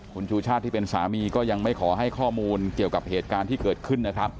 คุณชูชาติที่เป็นสามีก็ยังไม่ขอให้ข้อมูลเกี่ยวกับเหตุการณ์ที่เกิดขึ้นนะครับ